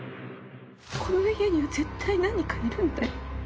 この家には絶対何かいるんだよ！